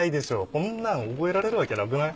こんなん覚えられるわけなくない？